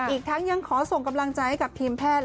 อีกทั้งยังขอส่งกำลังใจให้กับทีมแพทย์